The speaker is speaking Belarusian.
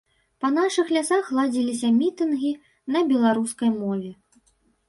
Па нашых лясах ладзіліся мітынгі на беларускай мове.